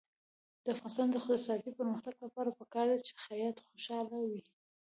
د افغانستان د اقتصادي پرمختګ لپاره پکار ده چې خیاط خوشحاله وي.